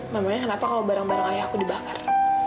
mamanya kenapa kalau barang barang ayah aku dibakar